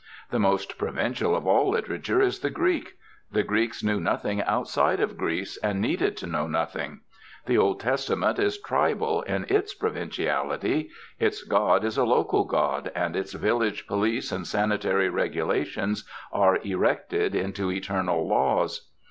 The most provincial of all literature is the Greek. The Greeks knew nothing outside of Greece and needed to know nothing. The Old Testament is tribal in its provinciality; its god is a local god, and its village police and sanitary regulations are erected into eternal laws.